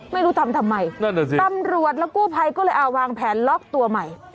ไม่รู้ทำทำไมนั่นน่ะสิตำรวจและกู้ภัยก็เลยเอาวางแผนล็อกตัวใหม่